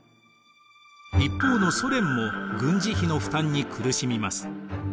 一方のソ連も軍事費の負担に苦しみます。